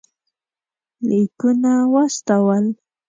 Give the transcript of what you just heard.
لیکونه واستول.